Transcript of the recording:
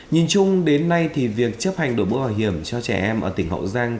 nhìn chung đến nay thì việc chấp hành đổi mũ bảo hiểm cho trẻ em ở tỉnh hậu giang